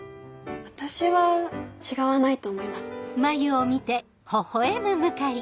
私は違わないと思います。